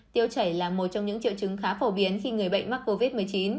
tiêu chảy là một trong những triệu chứng khá phổ biến khi người bệnh mắc covid một mươi chín